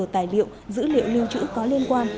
tài liệu dữ liệu lưu trữ có liên quan